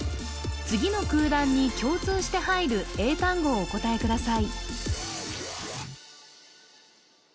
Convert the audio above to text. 次の空欄に共通して入る英単語をお答えください